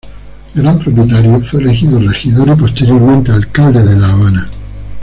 Gran propietario, fue elegido regidor y posteriormente, alcalde de La Habana.